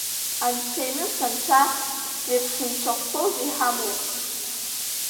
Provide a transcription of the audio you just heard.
Анцәа иныс анцәа, зеиԥш нцәахәқәоузеи иҳамоу?